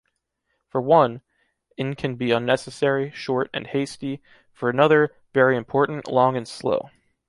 For one, in can be unnecessary, short and hasty, for another, very important, long and slow.